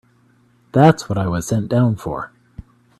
That's what I was sent down for.